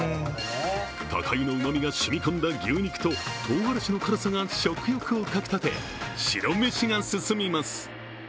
高湯のうま味が染み込んだ牛肉ととうがらの辛さが食欲をかきたて、白めしが進みます。